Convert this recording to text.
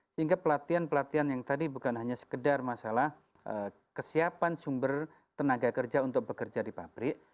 sehingga pelatihan pelatihan yang tadi bukan hanya sekedar masalah kesiapan sumber tenaga kerja untuk bekerja di pabrik